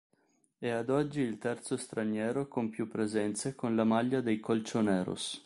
È ad oggi il terzo straniero con più presenze con la maglia dei "Colchoneros".